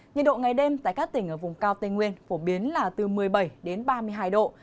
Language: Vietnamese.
nhiệt độ ngày đêm tại các tỉnh ở vùng cao tây nguyên phổ biến là từ một mươi bảy đến ba mươi hai độ